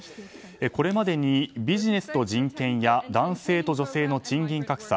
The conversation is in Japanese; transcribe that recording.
これまでにビジネスと人権や男性と女性の賃金格差